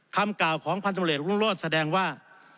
คำก่าวของพันธ์ตำรวจเอกรุ่งโลศแสดงว่า